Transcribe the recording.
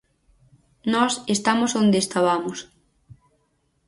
Nós estamos onde estabamos.